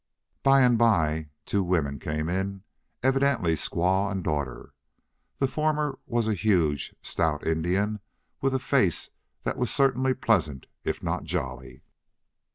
By and by two women came in, evidently squaw and daughter. The former was a huge, stout Indian with a face that was certainly pleasant if not jolly.